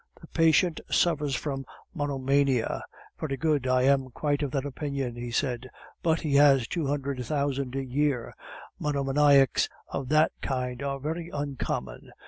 "The patient suffers from monomania; very good, I am quite of that opinion," he said, "but he has two hundred thousand a year; monomaniacs of that kind are very uncommon.